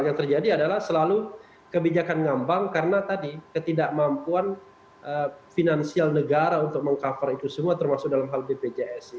yang terjadi adalah selalu kebijakan ngambang karena tadi ketidakmampuan finansial negara untuk meng cover itu semua termasuk dalam hal bpjs